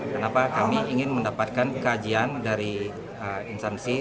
kenapa kami ingin mendapatkan kajian dari instansi